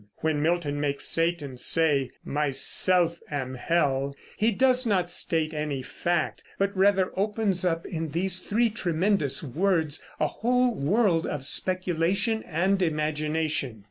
When Milton makes Satan say, "Myself am Hell," he does not state any fact, but rather opens up in these three tremendous words a whole world of speculation and imagination.